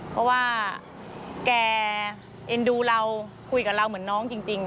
เพราะว่าแกเอ็นดูเราคุยกับเราเหมือนน้องจริง